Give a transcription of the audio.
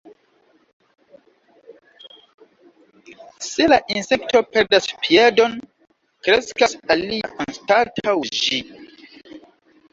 Se la insekto perdas piedon, kreskas alia anstataŭ ĝi.